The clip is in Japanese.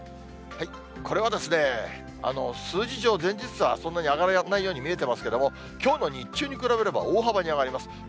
これは数字上、前日とはそんなに上がらないように見えてますけれども、きょうの日中に比べれば、大幅に上がります。